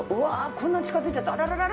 こんなに近づいちゃった。あららら。